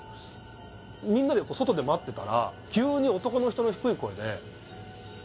「みんなで外で待ってたら急に男の人の低い声で」